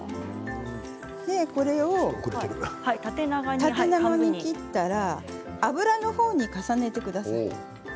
これを縦長に切ったら油の方に重ねてください。